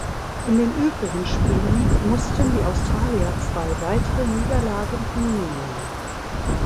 In den übrigen Spielen mussten die Australier zwei weitere Niederlagen hinnehmen.